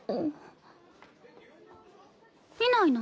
見ないの？